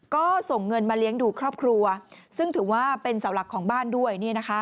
ก็ส่งเงินมาเลี้ยงดูครอบครัวซึ่งถือว่าเป็นเสาหลักของบ้านด้วย